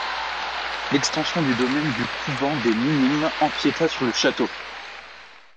L'extension du domaine du couvent des Minimes empiéta sur le château.